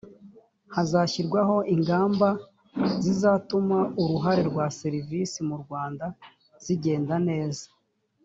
hazashyirwaho ingamba zizatuma uruhare rwa serivisi mu rwanda zigenda neza